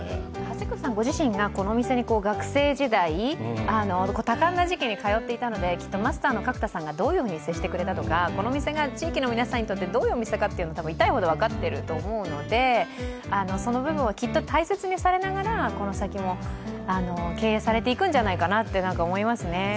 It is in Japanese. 支倉さんがご自身が学生時代通っていたので、どういうふうに接してくれたとかこのお店が地域の皆さんにとってどういうお店かというのを痛いほど分かっていると思うのでその部分を大切にされながらこの先も経営されていくんじゃないかなと思いますね。